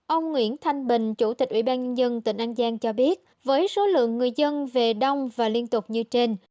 ông nguyễn thanh bình chủ tịch ủy ban nhân dân tỉnh an giang cho biết với số lượng người dân về đông và liên tục như trên